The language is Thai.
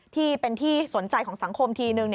ที่เป็นที่สนใจของสังคมทีนึง